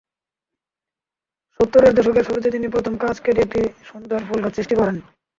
সত্তরের দশকের শুরুতে তিনি প্রথম কাচ কেটে একটি সুন্দর ফুলগাছ সৃষ্টি করেন।